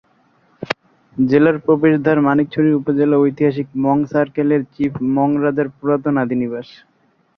জেলার প্রবেশদ্বার মানিকছড়ি উপজেলা ঐতিহাসিক মং সার্কেলের চীফ মং রাজার পুরাতন আদিনিবাস।